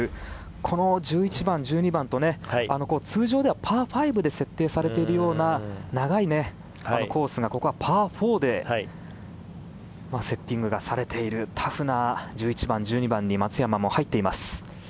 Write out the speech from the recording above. この１１番、１２番と通常ではパー５で設定されているような長いコースがここはパー４でセッティングされているタフな１１番、１２番に松山も入っています。